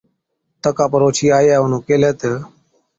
تڪا پر اوڇِي آئِيئَي اونهُون ڪيهلَي تہ،